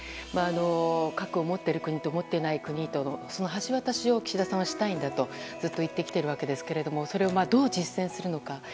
核を持っている国と持っていない国との橋渡しを岸田さんはしたいんだとずっと言っているわけですがそれをどう実践するのか。